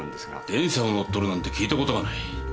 電車を乗っ取るなんて聞いたことがない。